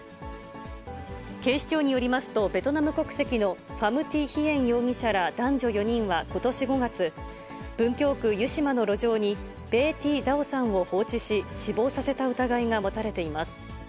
警視庁によりますと、ベトナム国籍のファム・ティ・ヒエン容疑者ら男女４人はことし５月、文京区湯島の路上に、ベー・ティ・ダオさんを放置し、死亡させた疑いが持たれています。